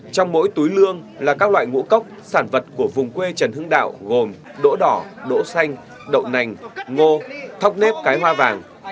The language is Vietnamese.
trong mỗi túi lương là các loại ngũ cốc sản vật của vùng quê trần hưng đạo gồm đỗ đỏ đỗ xanh đậu nành ngô thóc nếp cái hoa vàng